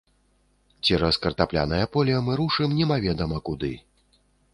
Цераз картаплянае поле мы рушым немаведама куды.